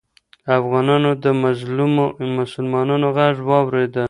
افغانانو د مظلومو مسلمانانو غږ واورېد.